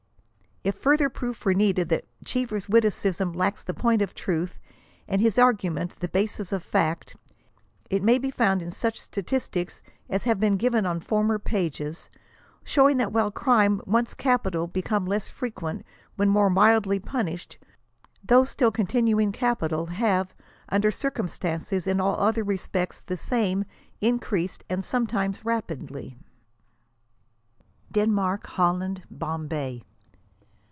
If farther proof were needed that Cheever's witticism lacks the point of truth, and his argument the basis of fact, it may be found in such statistics as have been given on former pages ; showing that while crimes once capital became less frequent when more mildly punished, those still continuing capital, have, under circumstances in all other respects the same, increased, and sometimes rapidly. DENMARK. HOLLAND. BOMBAY.